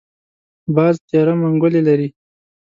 باز تېره منګولې لري